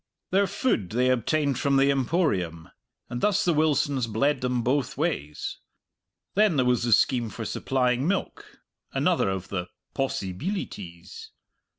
Their food they obtained from the Emporium, and thus the Wilsons bled them both ways. Then there was the scheme for supplying milk another of the "possibeelities."